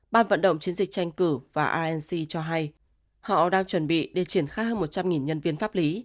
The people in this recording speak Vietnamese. ban vận động chiến dịch tranh cử và inc cho hay họ đang chuẩn bị để triển khai hơn một trăm linh nhân viên pháp lý